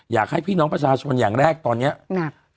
อยากให้พี่น้องประชาชนอย่างแรกตอนนี้หนัก